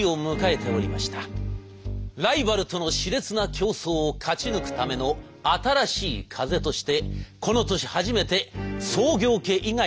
ライバルとのし烈な競争を勝ち抜くための新しい風としてこの年初めて創業家以外の社長が誕生。